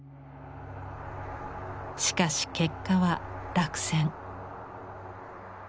しかし結果は落選。